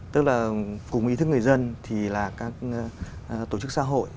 tức là cùng ý thức người dân thì là các tổ chức xã hội